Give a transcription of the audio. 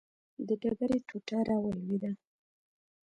د ډبرې ټوټه راولوېده.